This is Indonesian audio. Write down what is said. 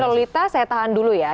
lolita saya tahan dulu ya